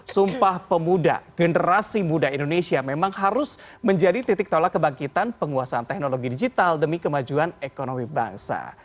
sumpah pemuda generasi muda indonesia memang harus menjadi titik tolak kebangkitan penguasaan teknologi digital demi kemajuan ekonomi bangsa